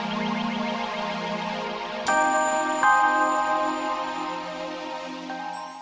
sampai jumpa di video selanjutnya